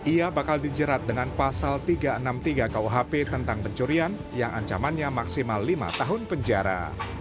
ia bakal dijerat dengan pasal tiga ratus enam puluh tiga kuhp tentang pencurian yang ancamannya maksimal lima tahun penjara